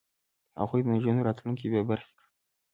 هغوی د نجونو راتلونکی بې برخې کړ.